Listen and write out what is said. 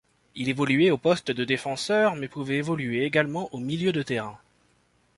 Il évoluait au poste de défenseur mais pouvait évoluer également au milieu de terrain.